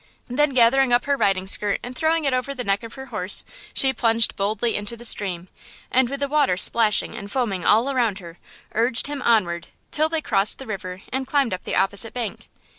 Then, gathering up her riding skirt and throwing it over the neck of her horse she plunged boldly into the stream, and, with the water splashing and foaming all around her, urged him onward till they crossed the river and climbed up the opposite bank.